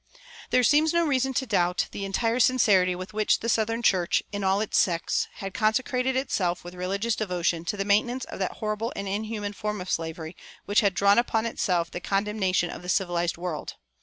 [346:1] There seems no reason to doubt the entire sincerity with which the southern church, in all its sects, had consecrated itself with religious devotion to the maintenance of that horrible and inhuman form of slavery which had drawn upon itself the condemnation of the civilized world.